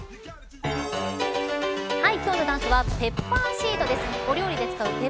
今日のダンスはペッパーシードです。